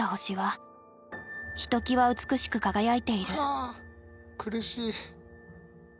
はあ苦しい。